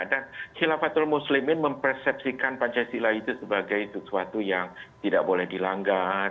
dan khilafatul muslimin mempersepsikan pancasila itu sebagai sesuatu yang tidak boleh dilanggar